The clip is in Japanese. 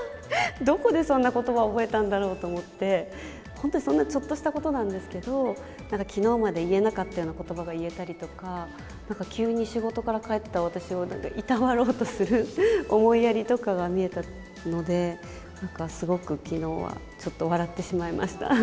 どこでそんなことばを覚えたんだろうと思って、本当にそんな、ちょっとしたことなんですけど、なんかきのうまで言えなかったようなことばが言えたりとか、なんか急に仕事から帰った私をいたわろうとする思いやりとかが見えたので、なんかすごくきのうは、ちょっと笑ってしまいました。